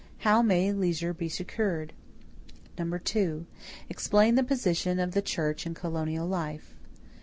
How may leisure be secured? 2. Explain the position of the church in colonial life.